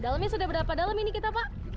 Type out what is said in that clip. dalamnya sudah berapa dalam ini kita pak